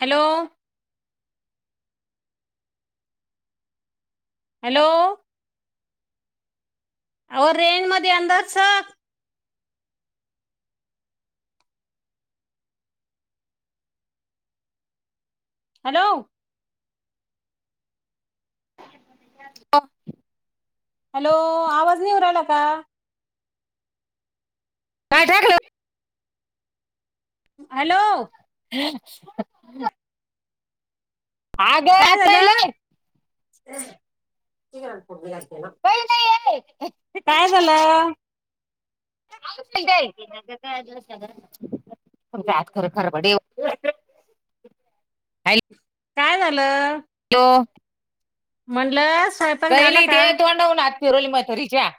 Hello. Hello. ओ range मध्ये अंदज सग. Hello hello. [unintelligible] हॅलो आवाज नाही येऊ राहिला का? काय टाकल? हॅलो. हम [unintelligible] अगं काय झाल? आटलंय काय नाही. काय झालं? ज खर खरबडे [unintelligible] काय झालं? हॅलो म्हणल स्वयं काही नाही ते तोंडावूण हात फिरवू राहीली म्हातारीच्या.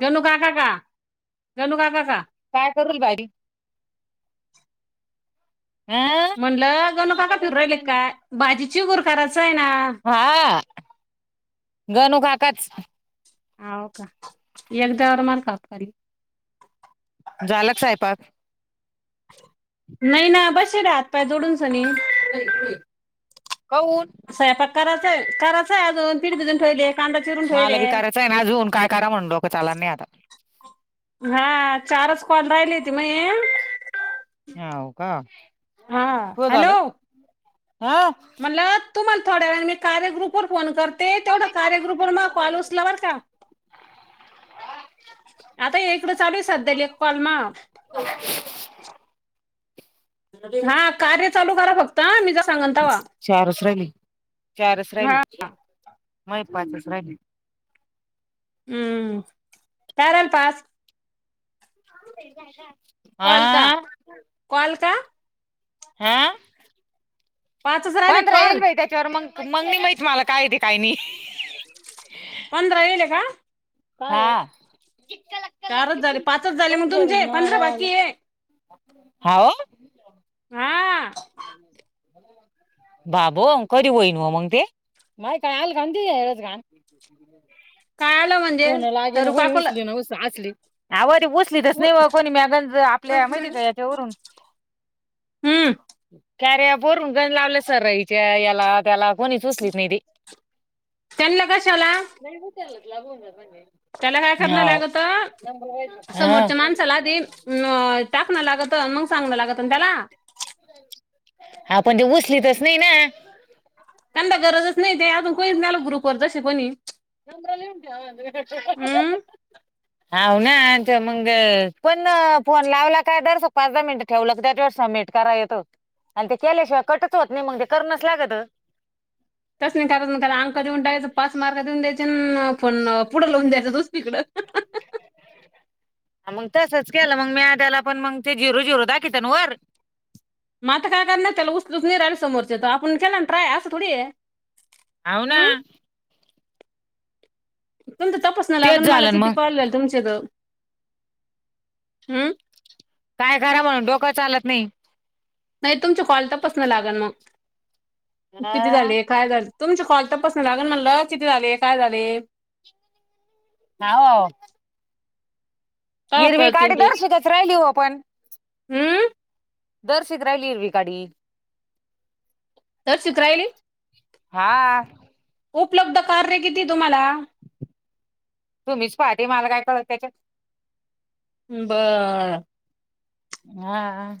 गणू काका का? गणू काका का? काय करूल बाई. हं? म्हणल गणू काका फिरवू राहिले क काय भाजी चिगूर करायचीयेना? हा गणू काकाच. हव का एकदा वर मार का फरी. झालं का स्वयंपाक? नाही ना बसेलये ना हात पाय जोडून सनी. कोवूण? स्वयंपाक करायचाय कराचाय अजून पीठ भजून ठेवेले. मला बी करायच आहे ना आजुन काय करावा म्हणून डोक चालना आता. हा चारच कॉल राहिलत माये. हाव का हो झाल हा. म्हणल तुम्हाला थोड्या वेळाने मी. कार्यग्रुप वर फोन करते तेवढा कार्यग्रुप वर मग कॉल उचला बर का? आता ऐकड चालू आहे सध्या एक कॉल मा. हा कार्य चालू करा फक्त. हा, मी जा सांगन तवा चारच रहिले चारच हा राहिल माये पाचच राहिले. हम्म कारल पाच. [inaudible] कॉल का? कॉल का? हॅ पाचच राहिले पंधरा कॉल येईल बाई. तेव्हर मग मग नाही माहित मला काय ते काय नाही. पंधरा येयेले का? हा चारच झाले पाच च झाले मग तुमचे पंधरा बाकी आहे. हा ओ. हा ह ्यवा [unintelligible] बाबो अ कधी मग ते माय काय आल खा तच काय [unintelligible] आलं म्हणजे कोणाला लागिण तरू आणि कोणी काकूला उचलिन असली आओ च उ- नाही कोणी मॅगज [unintelligible] आपल्या माहिती आहे का याच्यावरून. हम्म कॅर बोरून गण लावले सर रईच्या याला त्याला [unintelligible] कोणीच उचलत नाही ती. त्यांना कशाला त्याला काय करणं लागत हा. समोरच्या माणसलाध टाकणं लागत मग सांगण लागत त्याला. हा पण जे उचली तरच नाही ना त्यांनाता गरजच नाही ते आजून खच झाल बरबर जसें कोणी नम्रल उट्या [inaudible] हम्म [unintelligible] [inaudible] हाव ना मग पण फोन लावला काय दुपार न पाच दहा मिनट. ठेवलं त्याच वेळेस स [unintelligible] मेट का येत आणि ते केल्याशिवाय कटच होत नाही मग ते करणच लागत. तस नाही करायच नाही अंक देऊन टाकायचं पाच मार्क देऊन द्यायचे पण पुढे लवून द्यायचं दुस तकडं. [inaudible] मग तसंच केलं मग मी त्याला पण मग ते झिरो न झिरो दाखवित ना वर? मता काय कर नाही त्याला उस्तुच नाय राहिले समोरचे तर आपण केला ना ट्राय असं थोडी. हावना. तुमचा तपास न तेच लागल मला झालं ना किती मग कॉल. [unintelligible] हम्म. काय करा म्हणून डोकं चालत नाही. नाही तुमच्या कॉल तपास न लागल मग किती झाले काय झालं. तुमच्या कॉल तपासून लागल म्हटलं किती झाले काय झाले. हावव. काय हिरवी कळतील काडी ते दर्शिकच राहिली हो आपण. हम्म. दरशित राहिली इलवी गाडी. तशीच राहीले. हा. उपलब्ध कार रे किती तुम्हाला? तुम्हीच पहये ममला काय कळत. बर. हा हा.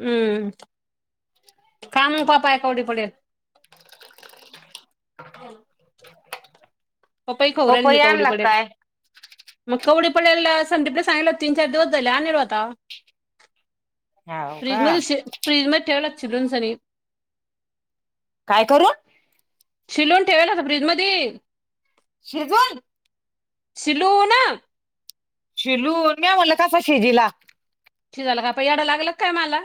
हम्म कान पापाय कवढे पडेल. [inaudible] पप्पाही खवरल मी पपई कवडी आणला का पडे. काय मग कवडी पडलेला संदीपला सांगल तीन चार दिवस झाले आ नाय राहिला आता. हाव फ्रीज का मध श फ्रीज मध्ये ठेवालाग चि ब्रनसनी काय करून? शिलून ठेवाला का फ्रिज मधी? शिजून शिलून. शिलून मी आ म्हला [unintelligible] कसा शेजीला. शिजंल झालं का प याडं लागल काय मला?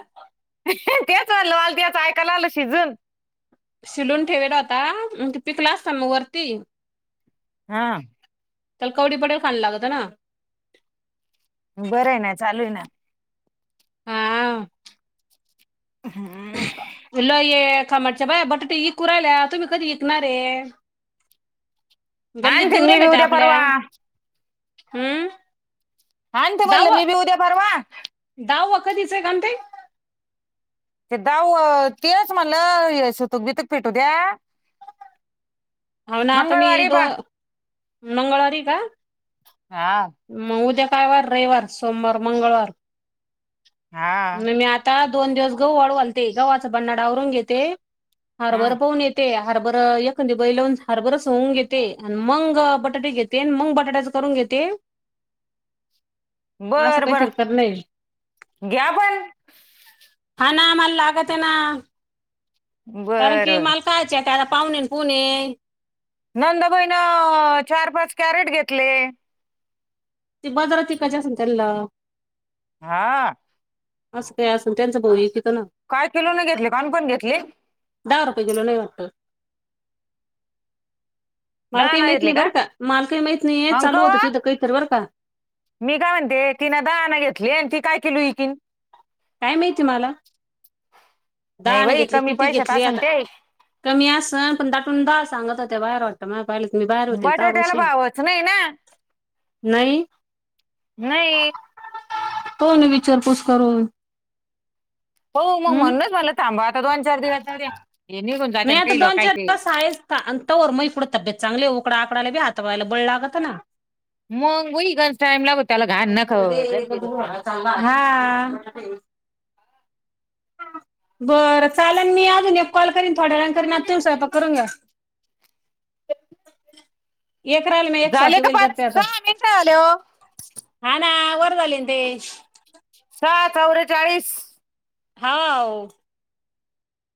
तेच म्हणल् मला तेच ऐकायला आलं शिजून. शिलून ठेवेला होता मग पिकला असता मग वरती. हा. तरला कवडी पटेल खायला लागतं ना. बरं आहे ना चालू आहे ना. हा हा, हम. तुला ये खमाटच्या बाय बटाटे इकू राहिल्या तुम्ही कधी विकणार आहे. गल्लीत आणते ना मी दिऊऱला बी त्या उद्या आपल्या परवा हम्म, आणतू म्हणलं मी बी उद्या भरवा. धावा कधीच आहे काण ते. ते दहावं तीनच म्हणलं हे सुतुक बीथक फीटू द्या. हाव ना, आता मी मंगळवारी दोन बा मंगळवारी का? हा, मग उद्या काय वार रविवार सोमवार मंगळवार हा म मी आता. आता दोन दिवस गहू वाळू घालते गव्हावाचा बननाडावरून घेते हा हारभर पाहून येते. ते हार बरं एकखंद बै लावून. हरभरच होऊन घेते आणि मंग बटाटे घेते मंग बटाट्याच करून घेते. असं बर काही बर करणेय. घ्या पण हा ना मला लागते ना, कारण बर की बर मला कायचे आता पाहुणे पुणे. नंदूबई ना चार पाच कॅरेट घेतले. ते बजरात [unintelligible] इकाची असल त्यांना हा, असं काय असं भाऊ तिथं ना. काय किलो न घेतले काणकण घेतले. दहा रुपये किलो नाही वाटतं. माल दहा काही ना नाही घेतले बर का काही माहत नाही चालू होतं अंकवा तिथं काहीत बरं का. मी काय म्हणते तिन दहाण घेतली आणि ती काय किलो एकीन. काय माहिती मला नाही दाण बाई घेतली कमी किती पैशात घेतली असन आता. ते कमी अस पण दाटून दहा सांगत होते बाहेर वाटत. मग पाहिले मी बाहेर होते त बटाट्याला बसे भावच नाही ना नाही. नाही. तो नाही विचारपूस करू. हो मग म्हणूनच मला थांबा आता दोन चार दिवस जाउनदया. ''मी आता दोन चार दिवस आहेच. त मग पुढं तब्येत चांगली उकड आकायलाीात वयला बळला लागतं ना. मग वई ग टाइम लागत त्याला घाण नको जाती बोंबला. थांबा हा, कोण जाते. बरं चालेल मी अजून एक कॉल. करीन थोड्या करी ना त सैयपाक करून घ्या. एक राह्यल मग झाले स्वाती का बाई करते पाच आता. सहा मिनिटं झाले हो हा ना वर झाले ते. साहा चौरे चाळीस. हाव.